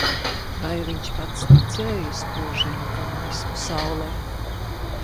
Vai viņš pats ticēja spožajai komunisma saulei?